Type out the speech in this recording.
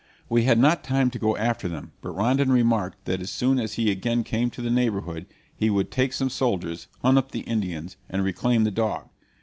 We had not time to go after them; but Rondon remarked that as soon as he again came to the neighborhood he would take some soldiers, hunt up the Indians, and reclaim the dog.